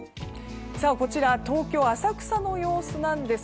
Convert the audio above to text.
こちら、東京・浅草の様子です。